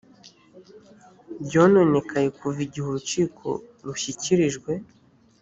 byononekaye kuva igihe urukiko rushyikirijwe